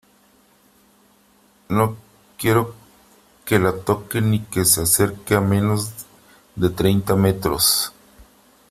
no quiero que la toque ni que se acerque a menos de treinta metros .